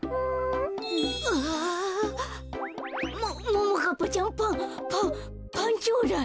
もももかっぱちゃんパンパンパンちょうだい。